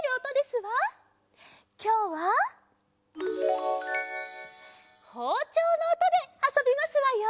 きょうはほうちょうのおとであそびますわよ！